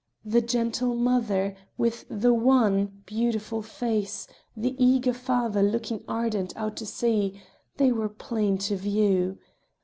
The gentle mother, with the wan, beautiful face; the eager father looking ardent out to sea they were plain to view.